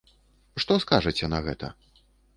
Што скажаце на гэта?